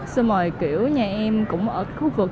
xong rồi kiểu nhà em cũng ở khu vực